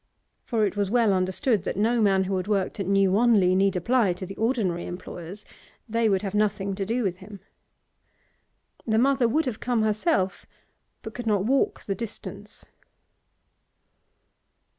For it was well understood that no man who had worked at New Wanley need apply to the ordinary employers; they would have nothing to do with him. The mother would have come herself, but could not walk the distance.